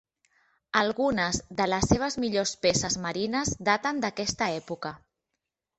Algunes de les seves millors peces marines daten d'aquesta època.